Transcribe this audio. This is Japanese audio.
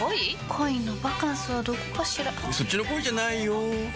恋のバカンスはどこかしらそっちの恋じゃないよ